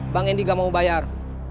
bank ini gak mau bayar